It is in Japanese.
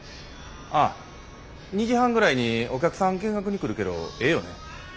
ああ２時半ぐらいにお客さん見学に来るけどええよね？